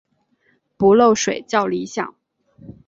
不漏水较理想。